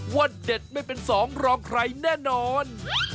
เด็ดไม่เป็นสองรองใครแน่นอน